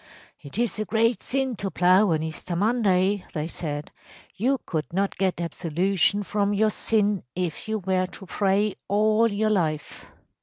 ‚ÄėIt is a great sin to plough on Easter Monday,’ they said. ‚ÄėYou could not get absolution from your sin if you were to pray all your life.